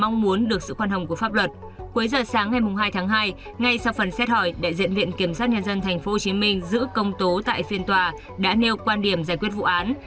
cuối giờ sáng ngày hai tháng hai ngay sau phần xét hỏi đại diện viện kiểm sát nhân dân tp hcm giữ công tố tại phiên tòa đã nêu quan điểm giải quyết vụ án